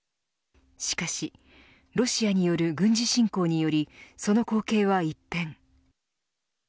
しかしロシアによる軍事侵攻によりその光景は一変。